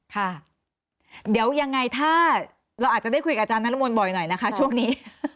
ค่ะเดี๋ยวยังไงถ้าเราอาจจะได้คุยกับอาจารย์นรมนบ่อยหน่อยนะคะช่วงนี้